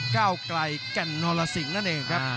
ก้าวไกลแก่นนรสิงห์นั่นเองครับ